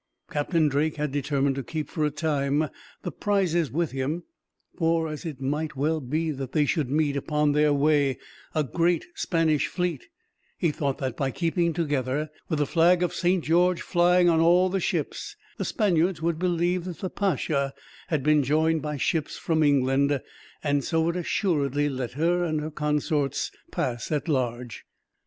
Captain Drake had determined to keep, for a time, the prizes with him; for as it might well be that they should meet, upon their way, a great Spanish fleet, he thought that by keeping together, with the flag of Saint George flying on all the ships, the Spaniards would believe that the Pacha had been joined by ships from England, and so would assuredly let her and her consorts pass at large.